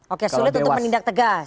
oke sulit untuk menindak tegas